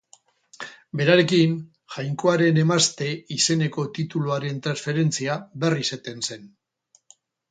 Berarekin, Jainkoaren Emazte izeneko tituluaren transferentzia berriz eten zen.